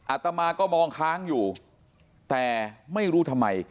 อาตมาก็มองค้างอยู่แต่ไม่รู้ทำไม